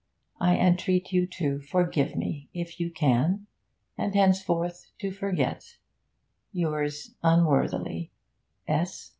I entreat you to forgive me, if you can, and henceforth to forget Yours unworthily, 'S.